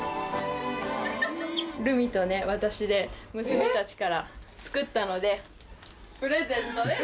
るみと私で、娘たちから作ったので、プレゼントです。